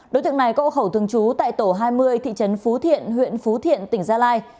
đối tượng này có hộ khẩu thường trú tại tổ hai mươi thị trấn phú thiện huyện phú thiện tỉnh gia lai